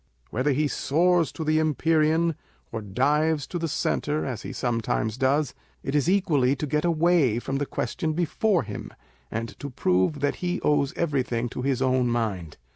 "Whether he soars to the empyrean, or dives to the centre (as he sometimes does), it is equally to get away from the question before him, and to prove that lie owes everything to his own mind.